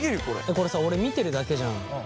これさ俺見てるだけじゃん。